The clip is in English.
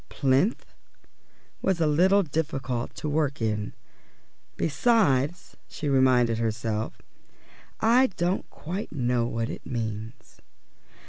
"Plinth" was a little difficult to work in; "besides," she reminded herself, "I don't quite know what it means."